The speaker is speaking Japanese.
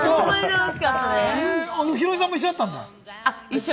ヒロミさんも一緒だったんだ？